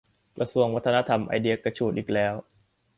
กระทรวงวัฒนธรรมไอเดียกระฉูดอีกแล้ว